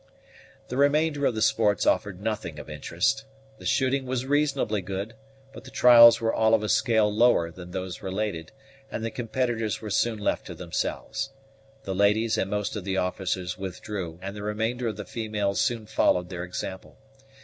The remainder of the sports offered nothing of interest. The shooting was reasonably good; but the trials were all of a scale lower than those related, and the competitors were soon left to themselves. The ladies and most of the officers withdrew, and the remainder of the females soon followed their example.